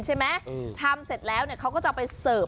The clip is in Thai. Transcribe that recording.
เสิร์ฟแบบโต๊ะไปเลย